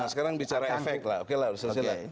sekarang bicara efek lah oke lah selesai